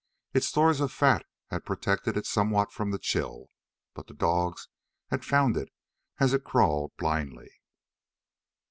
Its stores of fat had protected it somewhat from the chill. But the dogs had found it as it crawled blindly